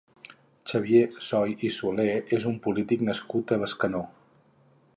Xavier Soy i Soler és un polític nascut a Bescanó.